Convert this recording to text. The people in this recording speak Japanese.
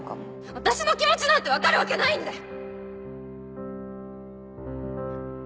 私の気持ちなんて分かるわけないんだよ！